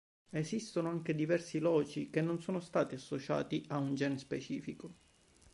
Esistono anche diversi loci che non sono stati associati a un gene specifico.